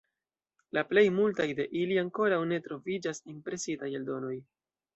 La plej multaj de ili ankoraŭ ne troviĝas en presitaj eldonoj.